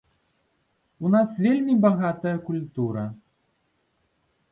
У нас вельмі багатая культура.